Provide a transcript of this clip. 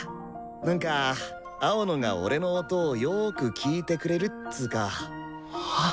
なんか青野が俺の音をよく聴いてくれるっつか。